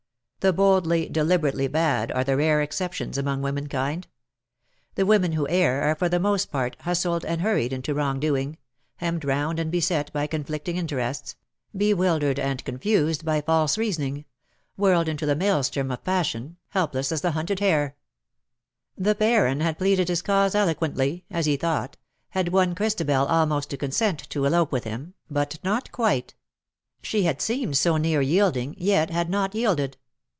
The boldly, deliberately bad are the rare exceptions among womankind. The women who err are for the most part hustled and AND SUCH DEADLY FRUIT/^ 237 hurried into wrong doing — hemmed round and beset by conflicting interests — bewildered and confused by false reasoning — whirled in the Maelstrom of pas sion, helpless as the hunted hare. The Baron had pleaded his cause eloquently, as he thought — had won Christabel almost to consent to elope with him — but not quite. She had seemed so near yielding, yet had not yielded.